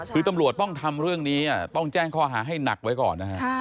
คือตำรวจต้องทำเรื่องนี้ต้องแจ้งข้อหาให้หนักไว้ก่อนนะฮะ